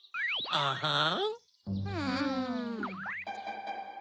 アハン！